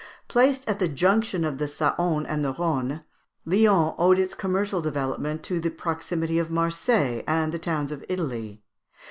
Placed at the junction of the Saóne and the Rhône, Lyons owed its commercial development to the proximity of Marseilles and the towns of Italy.